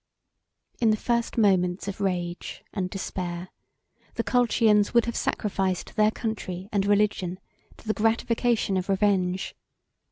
In the first moments of rage and despair, the Colchians would have sacrificed their country and religion to the gratification of revenge.